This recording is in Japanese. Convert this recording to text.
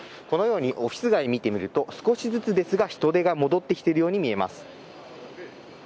このようにオフィス街を見てみると、少しずつですが人出が戻ってきているように見えます。